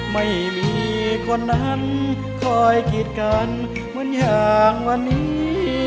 ไม่มีคนนั้นคอยกีดกันเหมือนอย่างวันนี้